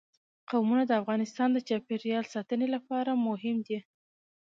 قومونه د افغانستان د چاپیریال ساتنې لپاره مهم دي.